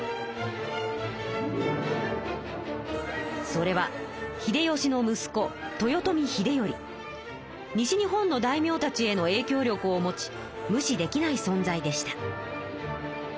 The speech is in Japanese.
それは秀吉のむす子西日本の大名たちへのえいきょう力を持ち無視できないそん在でした。